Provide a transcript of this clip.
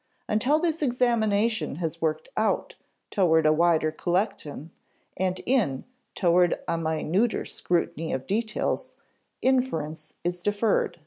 Until this examination has worked out toward a wider collection and in toward a minuter scrutiny of details, inference is deferred.